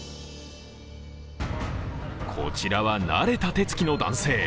こちらは、慣れた手つきの男性。